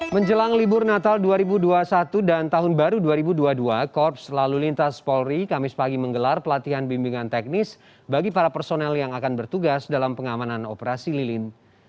menjelang libur natal dua ribu dua puluh satu dan tahun baru dua ribu dua puluh dua korps lalu lintas polri kamis pagi menggelar pelatihan bimbingan teknis bagi para personel yang akan bertugas dalam pengamanan operasi lilin